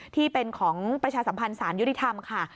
ที่เป็นของประชาสัมพันธ์สารยุติธรรมค่ะ